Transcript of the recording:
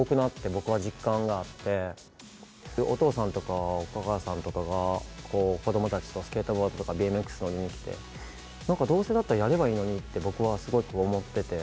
僕は実感があって、お父さんとかお母さんとかが、子どもたちとスケートボードとかＢＭＸを見に来て、なんか、どうせだったらやればいいのにって、僕はすごく思ってて。